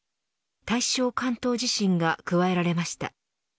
大正関東地震が加えられました。